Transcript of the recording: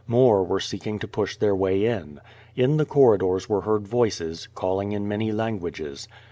More were seeking to push their way in. In the corri dors were heard voices, calling in many languages.